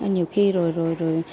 nhiều khi rồi rồi rồi